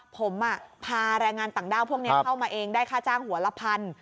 ผมพาแรงงานต่างด้าวพวกนี้เข้ามาเองได้ค่าจ้างหัวละพัน